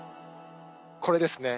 これですね。